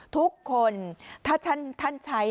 ทุกคนถ้าท่านใช้